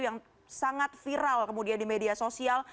yang sangat viral kemudian di media sosial